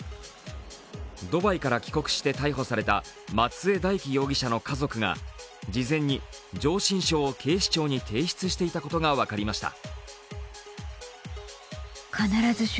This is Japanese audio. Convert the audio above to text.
ドバイから帰国して逮捕された松江大樹容疑者の家族が、事前に上申書を警視庁に提出していたことが分かりました。